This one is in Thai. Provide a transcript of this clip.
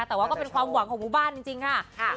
แต่ว่าก็เป็นความหวังของหมู่บ้านจริงค่ะ